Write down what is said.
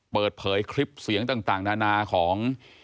เปิดเผยคลิปเสียงต่างนานาของ